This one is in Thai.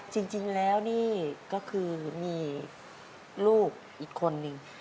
จริงแล้วนี่ก็คือมีลูกอีกคนนึง